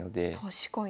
確かに。